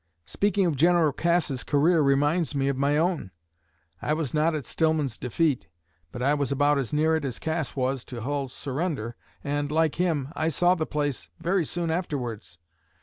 Speaking of General Cass's career reminds me of my own. I was not at Stillman's defeat, but I was about as near it as Cass was to Hull's surrender, and, like him, I saw the place very soon afterwards.